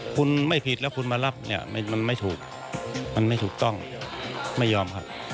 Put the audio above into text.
คุณไม่คิดแล้วขุมันรับจะไม่ถูกไม่ถูกต้องไม่ยอม